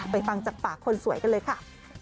ฟังจากปากคนสวยกันเลยค่ะ